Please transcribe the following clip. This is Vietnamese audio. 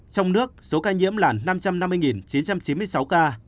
trong nước số ca nhiễm là năm trăm năm mươi chín trăm chín mươi sáu ca